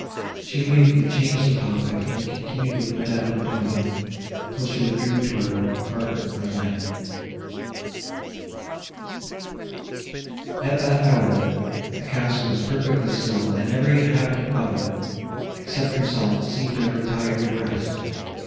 She immediately changed the topic, and continued with Madame Montoni, till she withdrew to her apartment for the night. At that hour, the castle was perfectly still, and every inhabitant of it, except herself, seemed to have retired to rest.